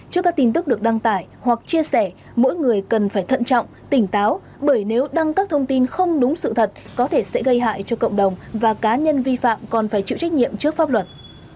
trước các tin tức được đăng tải hoặc chia sẻ mỗi người cần phải thận trọng tỉnh táo bởi nếu đăng các thông tin không đúng sự thật có thể sẽ gây hại cho cộng đồng và cá nhân vi phạm còn phải chịu trách nhiệm trước pháp luật